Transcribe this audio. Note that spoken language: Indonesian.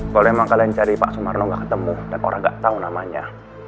kalo emang kalian cari pak sumarno gak ketemu dan orang gak tau namanya